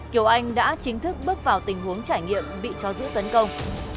kiều anh đã chính thức bước vào tình huống trải nghiệm bị chó giữ tấn công